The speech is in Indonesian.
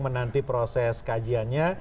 menanti proses kajiannya